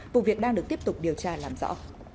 vụ việc đang được tiếp tục điều tra làm rõ